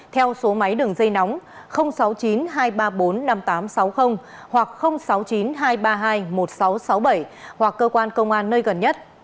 theo số máy đường dây nóng sáu mươi chín hai trăm ba mươi bốn năm nghìn tám trăm sáu mươi hoặc sáu mươi chín hai trăm ba mươi hai một nghìn sáu trăm sáu mươi bảy hoặc cơ quan công an nơi gần nhất